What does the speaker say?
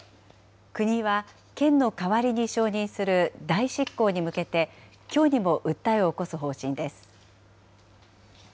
国は県の代わりに承認する代執行に向けて、きょうにも訴えを起こす方針です。